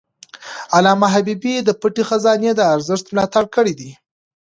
علامه حبيبي د پټه خزانه د ارزښت ملاتړ کړی دی.